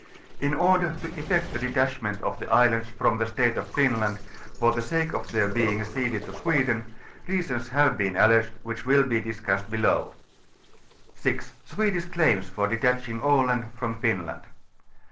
In order to effect a detachment of the islands from the State of Finland, for the sake of their being ceded to Sweden, reasons liave been alleged, wliicli will hu discussed below. 6) Swedish Claims for Detaching Aland from Finland.